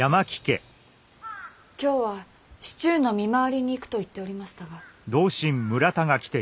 今日は市中の見回りに行くと言っておりましたが。